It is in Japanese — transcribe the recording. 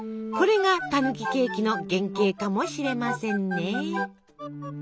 これがたぬきケーキの原型かもしれませんね。